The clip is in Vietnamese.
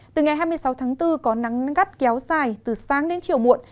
từ ngày hai mươi sáu tháng bốn có nắng gắt kéo dài từ sáng đến chiều muộn